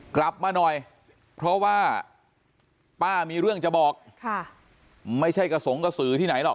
กลับมาหน่อยเพราะว่าป้ามีเรื่องจะบอกไม่ใช่กระสงกระสือที่ไหนหรอก